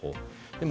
でも、